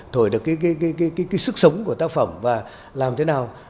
thổi được cái sức sống của tác phẩm và làm thế nào